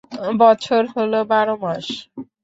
বছর হলো বার মাস।